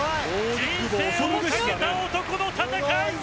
人生をかけた男の戦い！